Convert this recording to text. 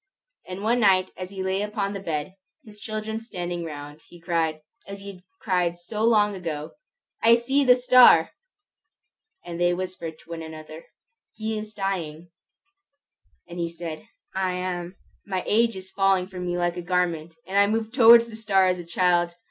And one night as he lay upon his bed, his children standing round, he cried, as he had cried so long ago, "I see the star!" They whispered one another, "He is dying." And he said, "I am. My age is falling from me like a garment, and I move towards the star as a child.